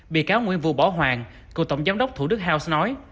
bị cáo nguyễn vũ bỏ hoàng cựu tổng giám đốc thủ đức house nói